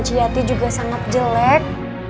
cik yati juga sangat jelek